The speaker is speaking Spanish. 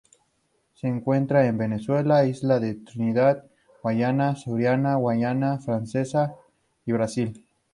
Se encuentra en Venezuela, Isla de Trinidad, Guyana, Surinam, Guayana Francesa y Brasil.